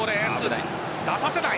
出させない。